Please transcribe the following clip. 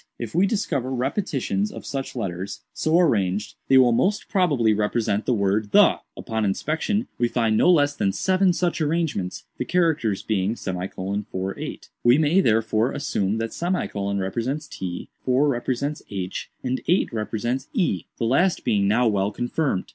If we discover repetitions of such letters, so arranged, they will most probably represent the word 'the.' Upon inspection, we find no less than seven such arrangements, the characters being ;48. We may, therefore, assume that ; represents t, 4 represents h, and 8 represents e—the last being now well confirmed.